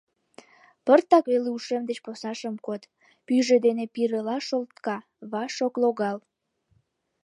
Пыртак веле ушем деч посна шым код, — пӱйжӧ дене пирыла шолтка, ваш ок логал.